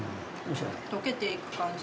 溶けていく感じ。